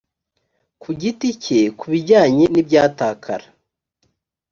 ku giti cye ku bijyanye n ibyatakara